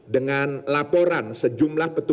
dengan laporan sejumlah petunjuk